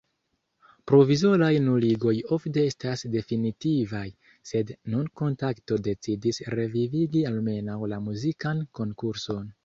Provizoraj nuligoj ofte estas definitivaj, sed nun Kontakto decidis revivigi almenaŭ la muzikan konkurson.